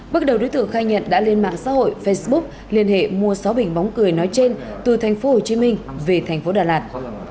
bắt đầu đối tượng khai nhận đã lên mạng xã hội facebook liên hệ mua sáu bình bóng cười nói trên từ tp hcm về tp đà lạt